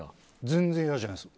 全然嫌じゃないです。